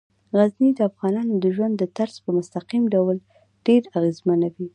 غزني د افغانانو د ژوند طرز په مستقیم ډول ډیر اغېزمنوي.